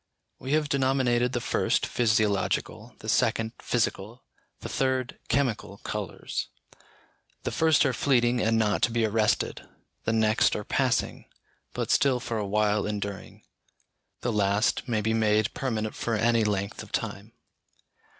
We have denominated the first, physiological, the second, physical, the third, chemical colours. The first are fleeting and not to be arrested; the next are passing, but still for a while enduring; the last may be made permanent for any length of time.